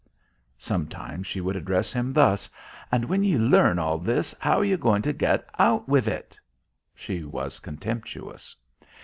Sometimes she would address him thus: "And when ye learn all this, how are ye goin' to get out with it?" She was contemptuous.